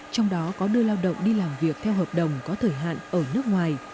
trong đó có đưa lao động đi làm việc theo hợp đồng có thời hạn ở nước ngoài